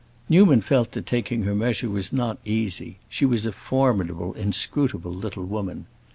Newman felt that taking her measure was not easy; she was a formidable, inscrutable little woman.